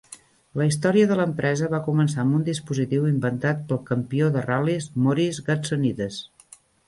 La història de l'empresa va començar amb un dispositiu inventat pel campió de ral·lis Maurice Gatsonides.